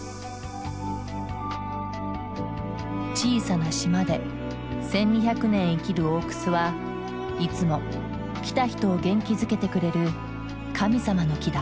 小さな島で１，２００年生きる大くすはいつも来た人を元気づけてくれる神様の木だ。